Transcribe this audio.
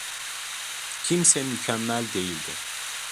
Kimse mükemmel değildir.